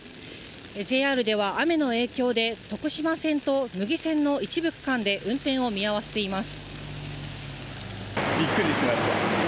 ＪＲでは雨の影響で、徳島線と牟岐線の一部区間で運転を見合わせています。